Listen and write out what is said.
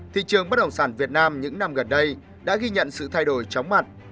thị trường bất động sản việt nam những năm gần đây đã ghi nhận sự thay đổi chóng mặt